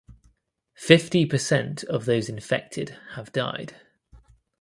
Fifty percent of those infected have died.